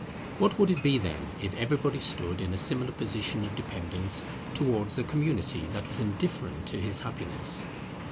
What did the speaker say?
What would it be, then, if everybody stood in a similar position of dependence towards a community that was indifferent to his happiness?